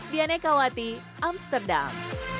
dianne kawati amsterdam